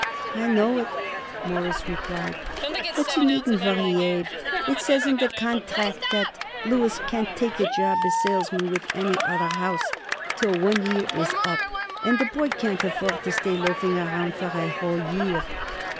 "I know it," Morris replied, "but you needn't worry, Abe. It says in the contract that Louis can't take a job as salesman with any other house till one year is up, and the boy can't afford to stay loafing around for a whole year."